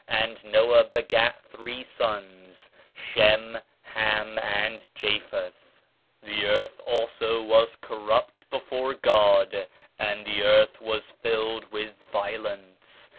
And Noah begat three sons, Shem, Ham, and Japheth.] "The earth also was corrupt before God; and the earth was filled with violence.